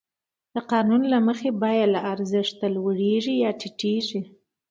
د قانون له مخې بیه له ارزښت لوړېږي یا ټیټېږي